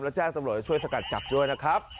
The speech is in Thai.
แล้วแจ้งตำรวจให้ช่วยสกัดจับด้วยนะครับ